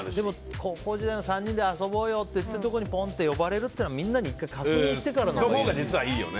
高校時代の３人で遊ぼうよって言ってるところに呼ばれるっていうのはみんなに１回確認してからのほうがいいね。